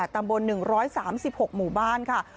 ตำบล๑๓๖หมู่บ้านค่ะ